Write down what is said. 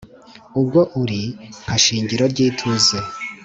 ubwo uri nka shingiro ry’ituze